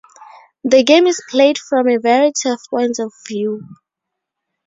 The game is played from a variety of points of view.